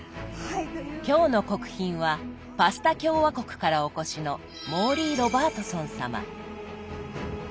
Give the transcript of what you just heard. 今日の国賓はパスタ共和国からお越しのモーリー・ロバートソン様。